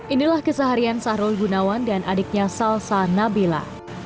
inilah keseharian sahrul gunawan dan adiknya salsa nabila